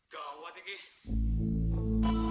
kamarnya kok banyak banget ya